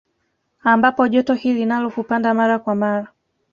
Ambapo joto hili nalo hupanda mara kwa mara